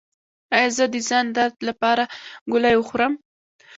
ایا زه د ځان درد لپاره ګولۍ وخورم؟